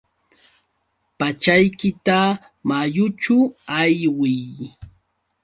Pachaykita mayućhu aywiy.